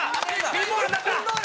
ピンボールになった！